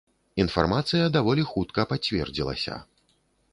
Інфармацыя даволі хутка пацвердзілася.